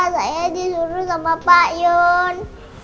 saya disuruh sama pak yun